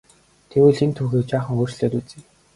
Тэгвэл энэ түүхийг жаахан өөрчлөөд үзье.